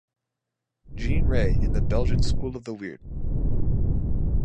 "Jean Ray and the Belgian School of the Weird".